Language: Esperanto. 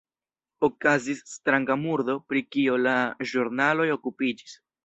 Okazis stranga murdo, pri kio la ĵurnaloj okupiĝis.